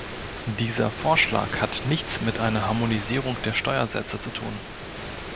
Dieser Vorschlag hat nichts mit einer Harmonisierung der Steuersätze zu tun.